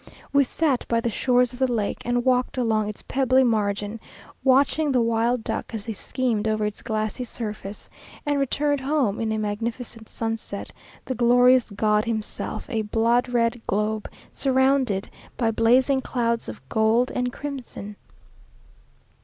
We sat by the shores of the lake, and walked along its pebbly margin, watching the wild duck as they skimmed over its glassy surface, and returned home in a magnificent sunset; the glorious god himself a blood red globe, surrounded by blazing clouds of gold and crimson.